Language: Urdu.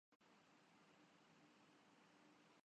ہوتا ہے نہاں گرد میں صحرا مرے ہوتے